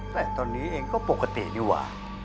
แต่ตอนนี้เองก็ปกติดีกว่า